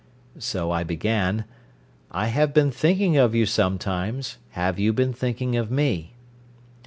So I began "'I have been thinking of you sometimes have you been thinking of me?'"